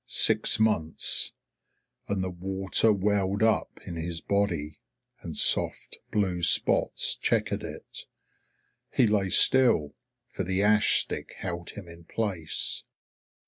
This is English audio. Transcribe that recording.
Six months. And the water welled up in his body, and soft blue spots chequered it. He lay still, for the ash stick held him in place.